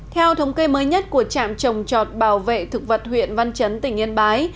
theo thống kê mới nhất của trạm trồng trọt bảo vệ thực vật huyện văn chấn tỉnh yên bái